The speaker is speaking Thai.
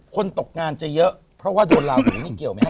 ตกงานจะเยอะเพราะว่าโดนลาหูนี่เกี่ยวไหมครับ